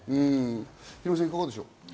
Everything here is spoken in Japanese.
ヒロミさん、いかがでしょうか？